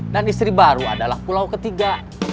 dan istri baru adalah pulau ketiga